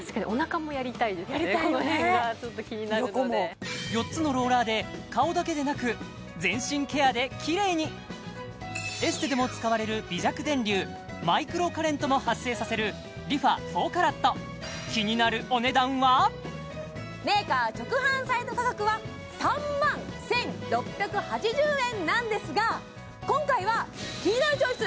この辺がちょっと気になるので横も４つのローラーで顔だけでなく全身ケアできれいにエステでも使われる微弱電流マイクロカレントも発生させるＲｅＦａ４ＣＡＲＡＴメーカー直販サイト価格は３万１６８０円なんですが今回は「キニナルチョイス」